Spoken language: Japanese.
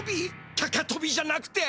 高とびじゃなくて？